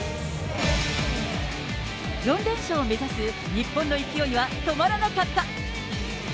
４連勝を目指す日本の勢いは止まらなかった。